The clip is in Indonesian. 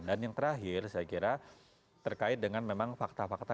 dan yang terakhir saya kira terkait dengan memang fakta fakta